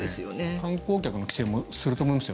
観光客の規制もすると思いますよ。